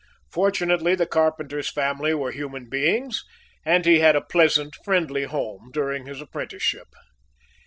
Fortunately the carpenter's family were human beings, and he had a pleasant, friendly home during his apprenticeship.